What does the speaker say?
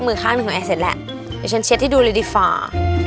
มือข้างหนึ่งของแอสเสร็จแล้วเดี๋ยวฉันเช็ดให้ดูเลยดีฟ้า